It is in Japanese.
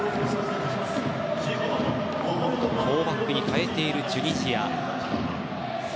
４バックに変えているチュニジア。